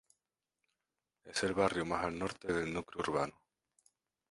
Es el barrio más al norte del núcleo urbano.